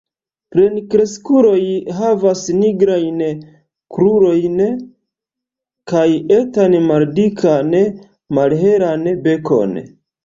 Plenkreskuloj havas nigrajn krurojn kaj etan maldikan malhelan bekon.